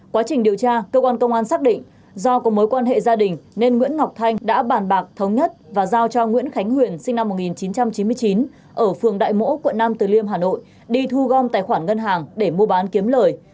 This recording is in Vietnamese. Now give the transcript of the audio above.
quá trình điều tra cơ quan công an xác định do có mối quan hệ gia đình nên nguyễn ngọc thanh đã bàn bạc thống nhất và giao cho nguyễn khánh huyền sinh năm một nghìn chín trăm chín mươi chín ở phường đại mỗ quận nam từ liêm hà nội đi thu gom tài khoản ngân hàng để mua bán kiếm lời